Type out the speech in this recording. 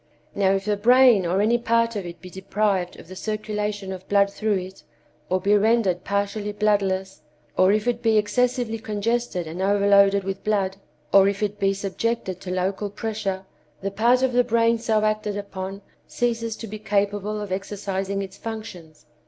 Now, if the brain or any part of it be deprived of the circulation of blood through it, or be rendered partially bloodless, or if it be excessively congested and overloaded with blood, or if it be subjected to local pressure, the part of the brain so acted upon ceases to be capable of exercising its functions.